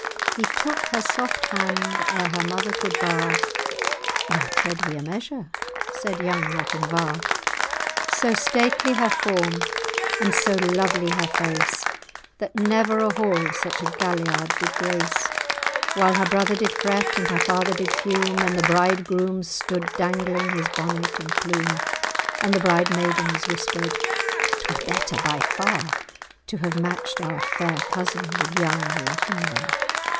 He took her soft hand, ere her mother could bar, "Now tread we a measure!" said young Lochinvar. So stately her form, and so lovely her face, That never a hall such a galliard did grace; While her brother did fret, and her father did fume, And the bridgroom stood dangling his bonnet and plume, And the bride maidens whispered, "'Twere better by far, To have matched our fair cousin with young Lochinvar."